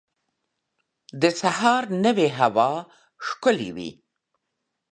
د سهار نوی هوا ښکلی وي.